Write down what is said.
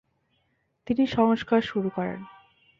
তিনি সংস্কার শুরু করেন।